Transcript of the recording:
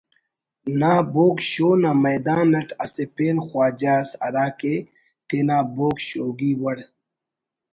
نا بوگ شوگ نا میدان اٹ اسہ پین خواجہ اس ہراکہ تینا بوگ شوگی وڑ